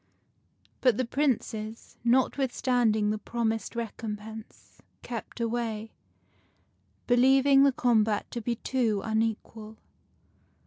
But the Princes, not withstanding the promised recompense, kept away, believing the combat to be too unequal.